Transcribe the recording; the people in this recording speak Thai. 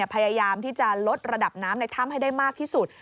พยายามที่จะลดระดับน้ำในถ้ำให้ได้มากที่สุด